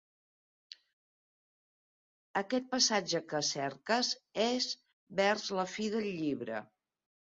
Aquest passatge que cerques és vers la fi del llibre.